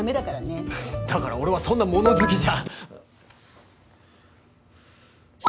だから俺はそんな物好きじゃ。